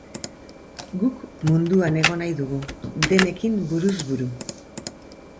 Guk munduan egon nahi dugu, denekin buruz buru.